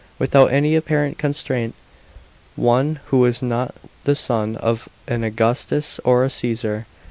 without any apparent constraint, one who was not the son of an Augustus or a Cse>ar.